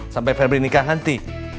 sampai pebri nikah nanti